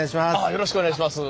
よろしくお願いします。